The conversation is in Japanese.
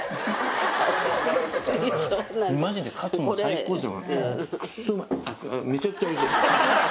マジでカツも最高ですよ。